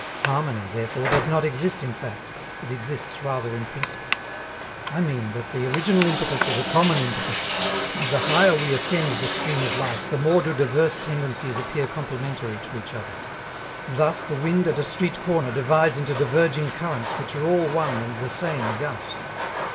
Harmony, therefore, does not exist in fact; it exists rather in principle; I mean that the original impetus is a common impetus, and the higher we ascend the stream of life the more do diverse tendencies appear complementary to each other. Thus the wind at a street corner divides into diverging currents which are all one and the same gust.